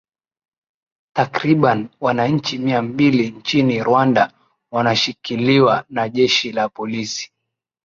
takriban wananchi mia mbili nchini rwanda wanashikiliwa na jeshi la polisi